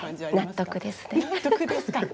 納得ですか。